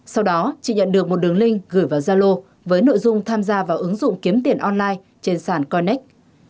sau đó chỉ nhận được một đường link gửi vào zalo với nội dung tham gia vào ứng dụng kiếm tiền online trên sàn coinex